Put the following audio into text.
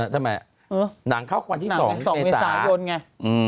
ทำไมหนังเข้ากว่าที่๒ในสายโยนไง